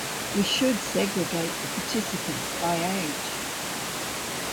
We should segregate the participants by age.